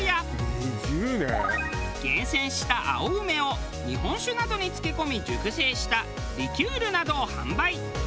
厳選した青梅を日本酒などに漬け込み熟成したリキュールなどを販売。